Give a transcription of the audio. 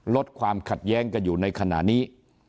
ลดความขัดแย้งกันอยู่ในขณะนี้